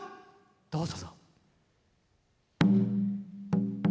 どうぞ。